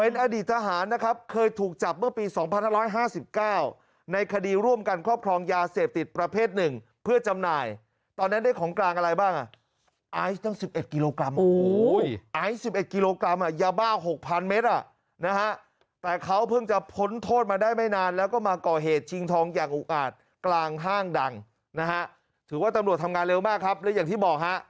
น่ะฮะถือว่าตำรวจทำงานเร็วมากครับและอย่างที่บอกฮะ